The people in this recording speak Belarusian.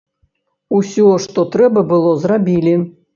Усё, што трэба было, зрабілі.